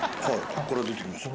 こっから出てきました。